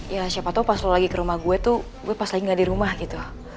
ya siapa tau pas lo lagi ke rumah gue tuh gue pas lagi gak di rumah gitu